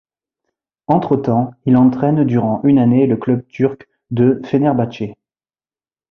Entre-temps il entraîne durant une année le club turc de Fenerbahçe.